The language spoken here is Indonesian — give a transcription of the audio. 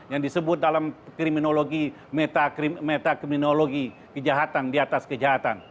yang disebut dalam kriminologi metakriminologi kejahatan di atas kejahatan